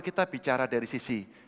kita bicara dari sisi